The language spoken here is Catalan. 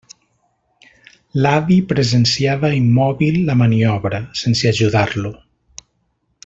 L'avi presenciava immòbil la maniobra, sense ajudar-lo.